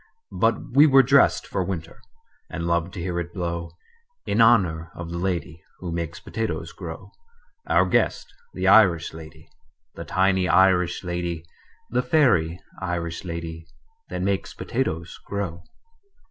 But we were dressed for winter, And loved to hear it blow In honor of the lady Who makes potatoes grow Our guest, the Irish lady, The tiny Irish lady, The fairy Irish lady That makes potatoes grow.